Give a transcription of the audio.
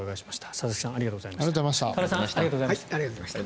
佐々木さん、多田さんありがとうございました。